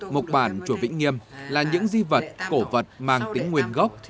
mộc bản chùa vĩnh nghiêm là những di vật cổ vật mang tính nguyên gốc